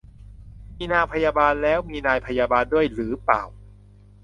มีนางพยาบาลแล้วมีนายพยาบาลด้วยหรือเปล่า